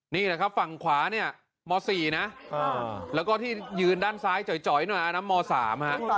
นี่แหละครับฝั่งขวาเนี่ยม๔นะแล้วก็ที่ยืนด้านซ้ายจ่อยหน่อยอันนั้นม๓ฮะ